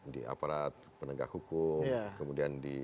di aparat penegak hukum kemudian di